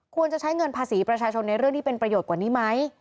ควรจะใช้เงินภาษีประชาชนในเรื่องที่เป็นประโยชน์กว่านี้ไหม